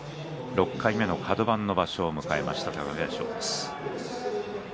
６回目のカド番の場所を迎えました貴景勝。